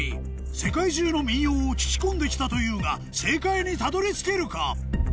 世界中の民謡を聞き込んで来たというが正解にたどり着けるか？